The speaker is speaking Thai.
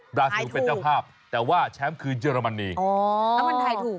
ถ่ายถูกแต่ว่าแชมป์คือเจอร์มันเองโอ้วววววว